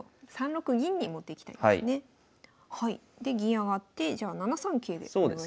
で銀上がってじゃあ７三桂でお願いします。